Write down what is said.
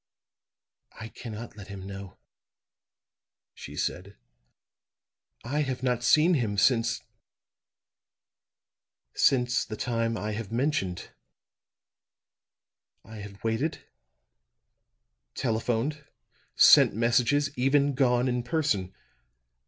"I cannot let him know," she said. "I have not seen him since since the time I have mentioned. I have waited, telephoned, sent messages, even gone in person.